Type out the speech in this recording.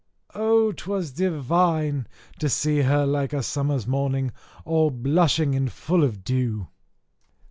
Oh! 'twas divine, to see her like a summer's morning, all blushing and full of dew!